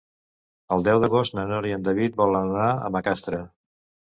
El deu d'agost na Nora i en David volen anar a Macastre.